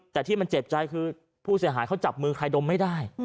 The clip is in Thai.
แต่ที่มันเจ็บใจคือผู้เสียหายเขาจับมือใครดมไม่ได้